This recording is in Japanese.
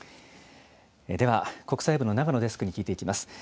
では、国際部の長野デスクに聞いていきます。